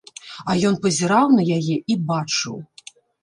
А ён пазіраў на яе і бачыў.